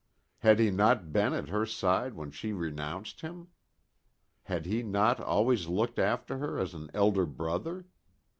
Had he not been at her side when she renounced him? Had he not always looked after her as an elder brother?